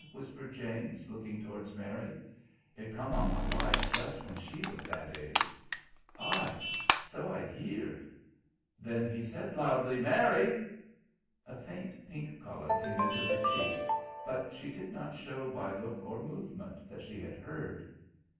whispered James, looking towards Mary. "It come on my wife jus' when she was that age." "Aye. So I've heered." Then he said loudly, "Mary!" A faint pink colour came into her cheeks, but she did not show by look or movement that she had heard.